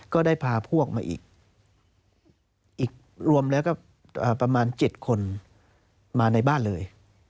ก็ได้พาพวกมาอีกรวมแล้วก็ประมาณ๗คนมาในบ้านเลย